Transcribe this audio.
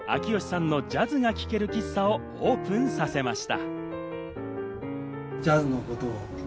３５年前に穐吉さんのジャズが聴ける喫茶をオープンさせました。